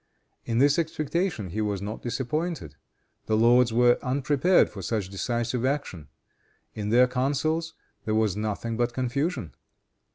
In this expectation he was not disappointed. The lords were unprepared for such decisive action. In their councils there was nothing but confusion.